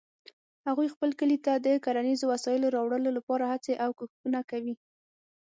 هغوی خپل کلي ته د کرنیزو وسایلو راوړلو لپاره هڅې او کوښښونه کوي